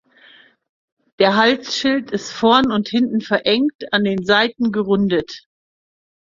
Der Halsschild ist vorn und hinten verengt, an den Seiten gerundet.